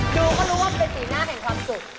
ดูก็รู้ว่ามันเป็นสีหน้าแห่งความสุข